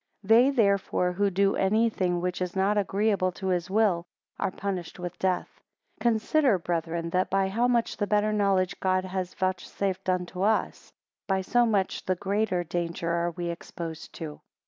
21 They therefore who do any thing which is not agreeable to his will, are punished with death. 22 Consider, brethren, that by how much the better knowledge God has vouchsafed unto us, by so much the greater danger are we exposed to.